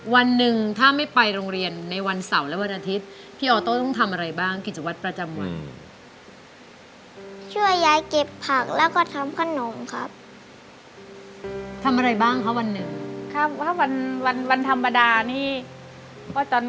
วันหนึ่งถ้าไม่ไปโรงเรียนในวันเสาร์และวันอาทิตย์พี่ออโต้ต้องทำอะไรบ้างกิจวัตรประจำวัน